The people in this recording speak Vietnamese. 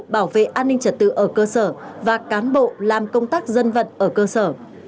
bảo vệ an ninh trật tự ở cơ sở và cán bộ làm công tác dân vận ở cơ sở